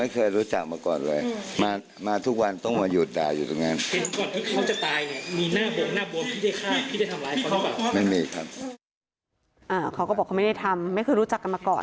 เขาก็บอกเขาไม่ได้ทำไม่เคยรู้จักกันมาก่อน